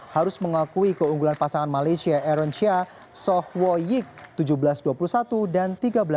harus mengakui keunggulan pasangan malaysia aronshia soh wo yik tujuh belas dua puluh satu dan tiga belas dua puluh